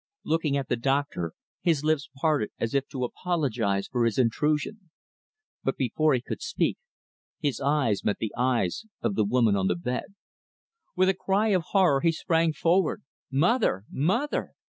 Looking at the doctor, his lips parted as if to apologize for his intrusion. But before he could speak, his eyes met the eyes of the woman on the bed. With a cry of horror, he sprang forward; "Mother! Mother!"